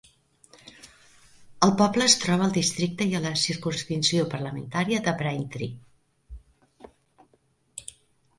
El poble es troba al districte i a la circumscripció parlamentària de Braintree.